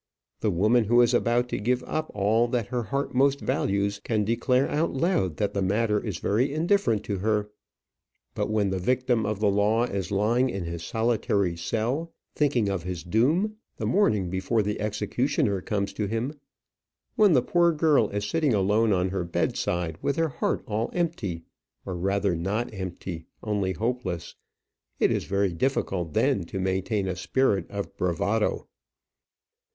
The woman who is about to give up all that her heart most values can declare out loud that the matter is very indifferent to her. But when the victim of the law is lying in his solitary cell, thinking on his doom, the morning before the executioner comes to him; when the poor girl is sitting alone on her bedside, with her heart all empty, or rather not empty, only hopeless; it is very difficult then to maintain a spirit of bravado!